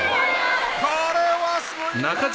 これはすごい！